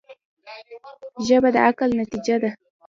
ژبه د عقل نتیجه ده